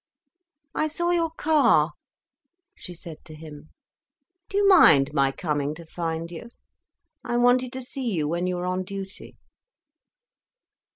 "I saw your car," she said to him. "Do you mind my coming to find you? I wanted to see you when you were on duty."